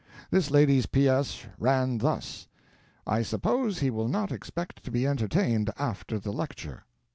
This lady's P. S. ran thus: "I suppose he will not expect to be entertained after the lecture."